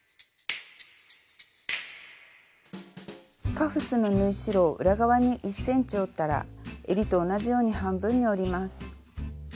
カフスの縫い代を裏側に１ｃｍ折ったらえりと同じように半分に折ります。